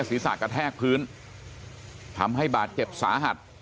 ศีรษะกระแทกพื้นทำให้บาดเจ็บสาหัส